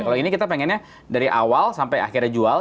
kalau ini kita pengennya dari awal sampai akhirnya jual